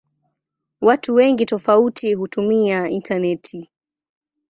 Watu wengi tofauti hutumia intaneti.